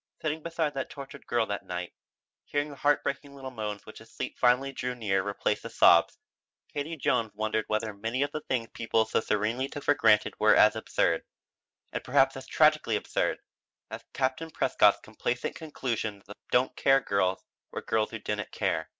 Sitting beside the tortured girl that night, hearing the heart breaking little moans which as sleep finally drew near replaced the sobs, Katie Jones wondered whether many of the things people so serenely took for granted were as absurd and perhaps as tragically absurd as Captain Prescott's complacent conclusion that the "Don't You Care" girls were girls who didn't care.